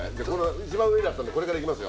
一番上にあったんでこれからいきますよ。